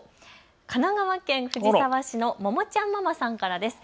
神奈川県藤沢市のももちゃんママさんからです。